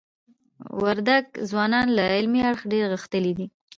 وردګ ځوانان له علمی اړخ دير غښتلي دي.